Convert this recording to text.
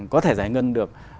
có thể giải ngân được